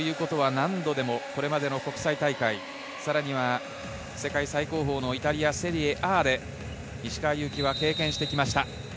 何度でもこれまでの国際大会、世界最高峰のイタリア、セリエＡで石川祐希は経験してきました。